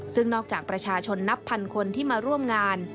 ซึ่งนอกจากประชาชนนับพันคนที่มาร่วมงาน